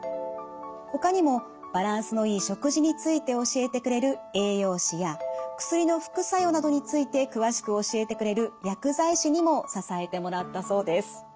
ほかにもバランスのいい食事について教えてくれる栄養士や薬の副作用などについて詳しく教えてくれる薬剤師にも支えてもらったそうです。